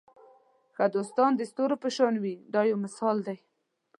ښه دوستان د ستورو په شان وي دا یو مثال دی.